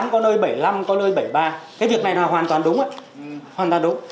có nơi bảy năm có nơi bảy ba cái việc này là hoàn toàn đúng